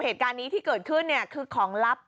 เหตุการณ์นี้ที่เกิดขึ้นเนี่ยคือของลับ